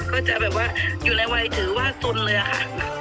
ก็จะอยู่งานวัยถือว่าทนเลยอะค่ะ